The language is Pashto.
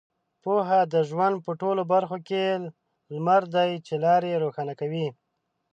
پوهه د ژوند په ټولو برخو کې لمر دی چې لارې روښانه کوي.